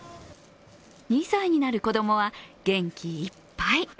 ２歳になる子供は元気いっぱい。